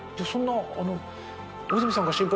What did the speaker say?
「そんな」。